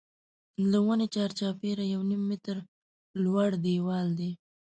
له ونې چار چاپېره یو نیم متر لوړ دیوال دی.